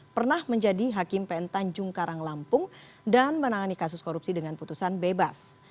pernah menjadi hakim pn tanjung karang lampung dan menangani kasus korupsi dengan putusan bebas